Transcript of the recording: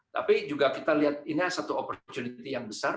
tapi juga kita lihat ini satu opportunity yang besar